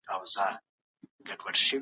اسلام علم د انسان د عزت سبب ګڼي.